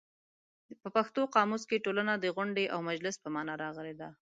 په پښتو قاموس کې ټولنه د غونډې او مجلس په مانا راغلې ده.